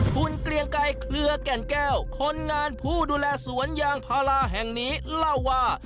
คุณเกรียงไกรเครือแก่นแก้วคนงานผู้ดูแลสวนยางพาราแห่งนี้เล่าว่า